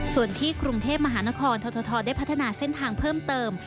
ส่วนที่กรุงเทพมหานครททได้พัฒนาเส้นทางเพิ่มเติม